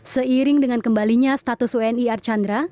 seiring dengan kembalinya status wni archandra